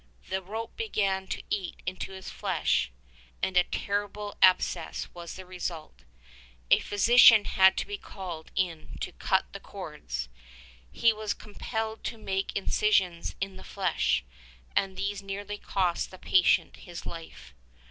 The rope began to eat into his flesh and a terrible ' abscess was the result. A physician had to be called in to cut the cords. He was compelled to make incisions in the flesh, and these nearly cost the patient his life.